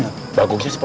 ntar bengkep epo